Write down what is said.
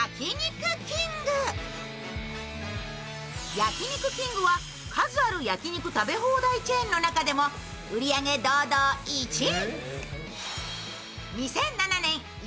焼肉きんぐは数ある焼き肉食べ放題チェーンの中でも売り上げ堂々１位！